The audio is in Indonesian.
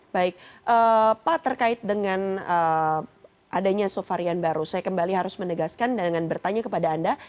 baik pak terkait dengan adanya subvarian baru saya kembali harus menegaskan dan dengan bertanya kepada anda